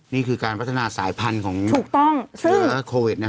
นี่คือการพัฒนาสายพันธุ์ของเวอร์โควิดนะฮะ